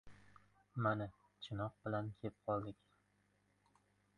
«Mana, Chinoq bilan kep qoldik.